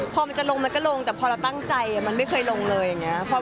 พอมันจะลงมันก็ลงแต่พอเราตั้งใจมันไม่เคยลงเลยอย่างนี้